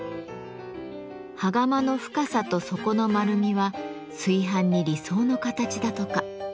羽釜の深さと底の丸みは炊飯に理想の形だとか。